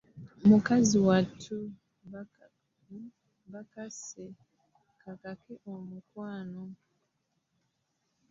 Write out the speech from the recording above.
Kakazi kattu baakase kakake omukwano.